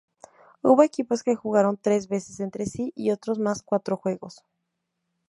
Hubo equipos que jugaron tres veces entre sí y otros más cuatro juegos.